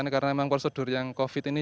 karena memang prosedur yang covid ini